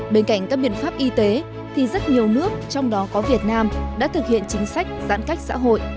bên cạnh các biện pháp y tế thì rất nhiều nước trong đó có việt nam đã thực hiện chính sách giãn cách xã hội